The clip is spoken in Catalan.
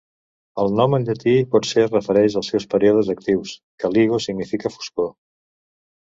El nom en llatí potser es refereix als seus períodes actius; "caligo" significa foscor.